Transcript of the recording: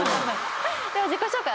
では自己紹介